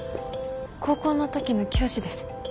高校のときの教師です。